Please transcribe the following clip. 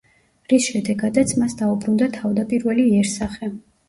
რის შედეგადაც, მას დაუბრუნდა თავდაპირველი იერსახე.